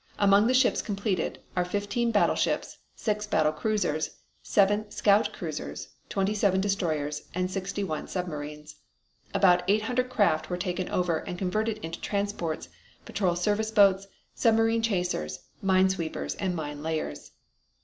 Among the ships completed are fifteen battleships, six battle cruisers, seven scout cruisers, twenty seven destroyers, and sixty one submarines. About eight hundred craft were taken over and converted into transports, patrol service boats, submarine chasers, mine sweepers and mine layers.